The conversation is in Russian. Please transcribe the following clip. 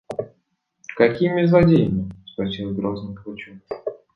– Какими злодеями? – спросил грозно Пугачев.